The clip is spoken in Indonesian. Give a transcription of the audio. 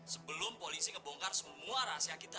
sebelum polisi kebongkar semua rahasia kita